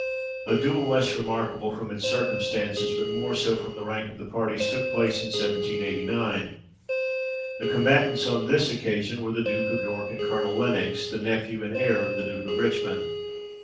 A duel, less remarkable from its circumstances, but more so from the rank of the parties, took place in 1789. The combatants on this occasion were the Duke of York and Colonel Lenox, the nephew and heir of the Duke of Richmond.